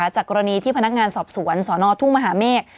จากกรณีที่พนักงานสอบสวนสนทุ่งมหาเมฆ